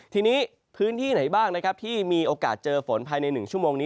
ทีนี้พื้นที่ไหนบ้างนะครับที่มีโอกาสเจอฝนภายใน๑ชั่วโมงนี้